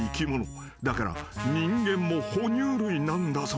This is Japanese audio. ［だから人間も哺乳類なんだぞ］